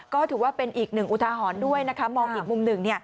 ก็ถือว่าเป็นอีกหนึ่งอุทาหรณ์ด้วยนะคะมองอีกมุมหนึ่ง